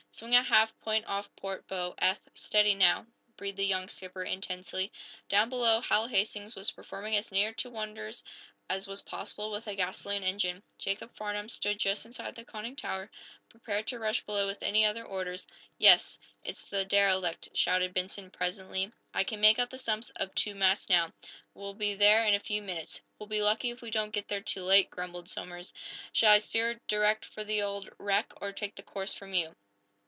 "Swing a half point off port bow, Eph steady, now!" breathed the young skipper, intensely. Down below, Hal Hastings was performing as near to wonders as was possible with a gasoline engine. Jacob Farnum stood just inside the conning tower, prepared to rush below with any other orders. "Yes, it's the derelict!" shouted Benson, presently. "I can make out the stumps of two masts now. We'll be there in a few minutes." "We'll be lucky if we don't get there too late," grumbled Somers. "Shall I steer direct for the old wreck, or take the course from you?"